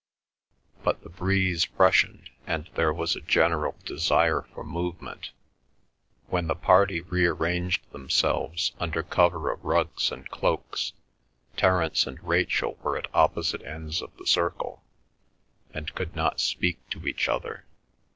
But the breeze freshened, and there was a general desire for movement. When the party rearranged themselves under cover of rugs and cloaks, Terence and Rachel were at opposite ends of the circle, and could not speak to each other.